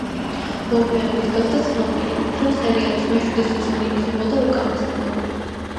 მოგვიანებით გახდა ცნობილი, რომ სერიალის მეშვიდე სეზონი იქნებოდა უკანასკნელი.